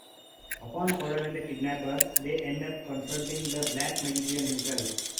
Upon following the kidnapper, they end up confronting the black magician himself.